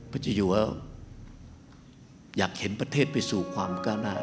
เจ้าอยู่อยากเห็นประเทศไปสู่ความก้าวหน้า